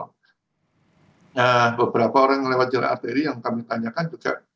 nah beberapa orang yang lewat jalan arteri yang kami tanyakan juga